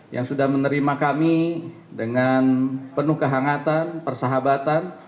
yang sudah menerima kami dengan penuh kehangatan persahabatan